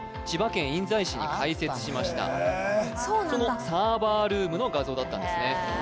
そのサーバールームの画像だったんですね